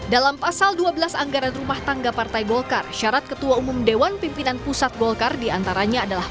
dalam pasal dua belas anggaran rumah tangga partai golkar syarat ketua umum dewan pimpinan pusat golkar diantaranya adalah